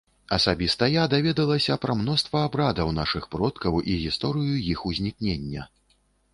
Асабіста я даведалася пра мноства абрадаў нашых продкаў і гісторыю іх узнікнення.